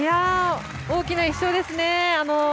大きな１勝ですね。